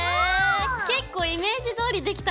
結構イメージどおりできたかも。